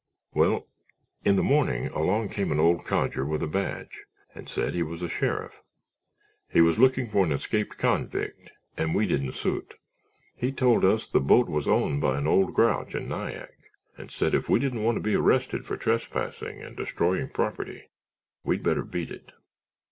"Well, in the morning along came an old codger with a badge and said he was a sheriff. He was looking for an escaped convict and we didn't suit. He told us the boat was owned by an old grouch in Nyack and said if we didn't want to be arrested for trespassing and destroying property we'd better beat it.